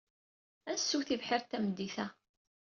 Ad nessew tibḥirt tameddit-a.